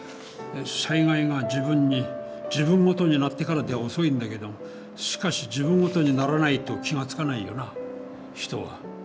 災害が自分ごとになってからでは遅いんだけどしかし自分ごとにならないと気が付かないよな人は。